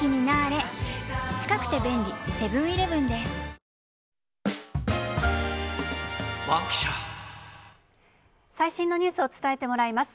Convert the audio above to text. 海外からの関係最新のニュースを伝えてもらいます。